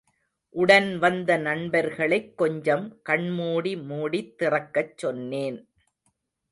உடன் வந்த நண்பர்களைக் கொஞ்சம் கண்மூடி மூடித் திறக்கச் சொன்னேன்.